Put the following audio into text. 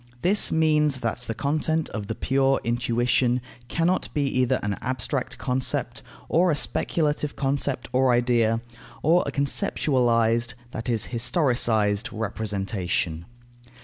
This means that the content of the pure intuition cannot be either an abstract concept, or a speculative concept or idea, or a conceptualized, that is historicized, representation.